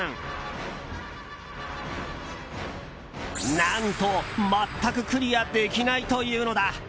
何と全くクリアできないというのだ！